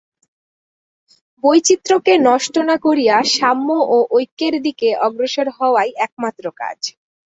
বৈচিত্র্যকে নষ্ট না করিয়া সাম্য ও ঐক্যের দিকে অগ্রসর হওয়াই একমাত্র কাজ।